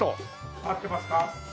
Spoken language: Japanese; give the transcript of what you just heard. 合ってますか？